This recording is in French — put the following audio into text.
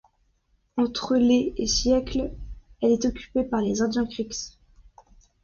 Entre les et siècle, elle est occupée par les indiens Creeks.